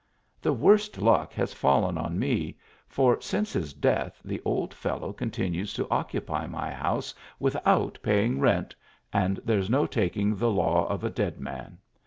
The worst luck has fallen on me ; for since his death, the old fellow con tinues to occupy my house without paving 1 rent, and there s no taking the law of a ciead man.